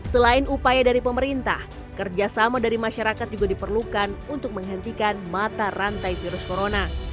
selain upaya dari pemerintah kerjasama dari masyarakat juga diperlukan untuk menghentikan mata rantai virus corona